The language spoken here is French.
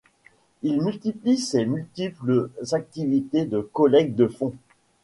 Il multiplie ses multiples activités de collecte de fonds.